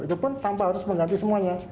itu pun tanpa harus mengganti semuanya